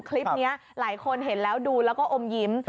คลิปนี้หลายคนเห็นแล้วดูแล้วก็อมยิ้ม